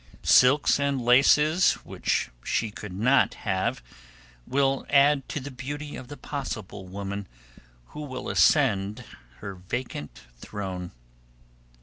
Silks and laces which she could not have will add to the beauty of the possible woman who will ascend her vacant throne.